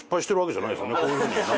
こういうふうに。